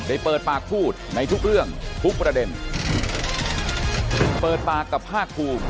เปิดปากพูดในทุกเรื่องทุกประเด็นเปิดปากกับภาคภูมิ